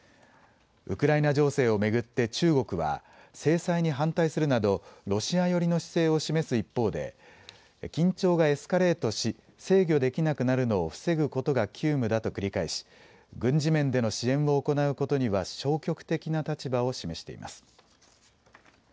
ウクライナ情勢を巡って中国は制裁に反対するなどロシア寄りの姿勢を示す一方で緊張がエスカレートし制御できなくなるのを防ぐことが急務だと繰り返し軍事面での支援を行うことには消極的な立場を示しています。